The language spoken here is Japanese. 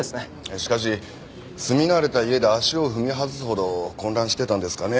しかし住み慣れた家で足を踏み外すほど混乱してたんですかね。